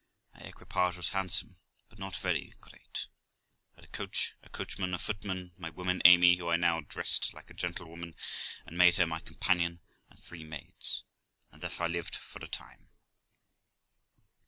My equipage was handsome, but not very great; I had a coach, a coachman, a footman, my woman Amy, who I now dressed like a gentlewoman and made her my companion, and three maids ; and thus I lived for a time.